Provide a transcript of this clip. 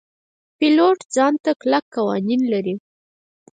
پیلوټ ځان ته کلک قوانین لري.